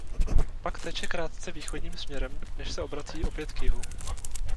Pak teče krátce východním směrem než se obrací opět k jihu.